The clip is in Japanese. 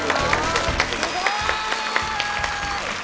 すごーい！